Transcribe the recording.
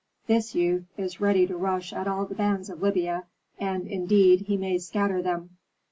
This youth is ready to rush at all the bands of Libya, and, indeed, he may scatter them."